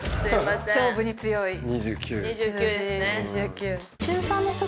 勝負に強い数字。